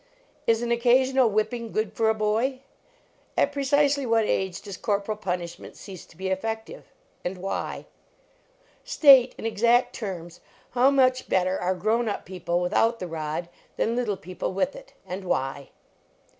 Is an occasional whipping good for a boy? At precisely what age does corporal punishment cease to be elective? And why? ^ in exact terms, how much better are grown up people without the rod, than little people with it? And why?